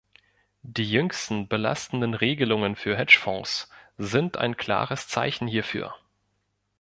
Die jüngsten belastenden Regelungen für Hedge-Fonds sind ein klares Zeichen hierfür.